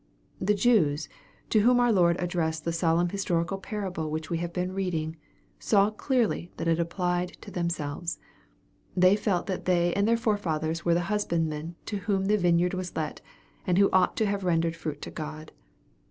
The Jews, to whom our Lord addressed the solemn historical parable which we have been reading, saw clearly that it applied to themselves. They felt that they and their forefathers were the husbandmen to whom the vineyard was let, and who ought to have rendered fruit to God.